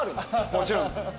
もちろんです。